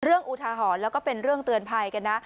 อุทาหรณ์แล้วก็เป็นเรื่องเตือนภัยกันนะ